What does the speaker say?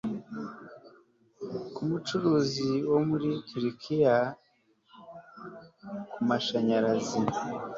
ku mucuruzi wo muri turukiya kumashanyarazi